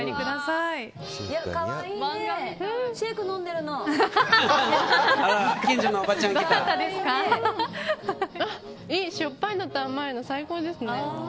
いい、しょっぱいのと甘いの最高ですね。